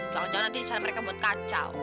jangan jangan nanti cara mereka buat kacau